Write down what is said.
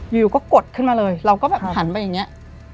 อยู่ก็กดขึ้นมาเลยเราก็แบบหันไปอย่างนี้